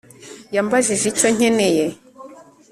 Yambajije icyo nkeneye